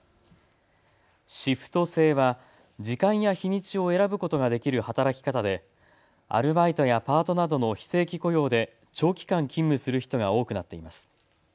シフト制は時間や日にちを選ぶことができる働き方でアルバイトやパートなどの非正規雇用で長期間勤務する人が多くなっています。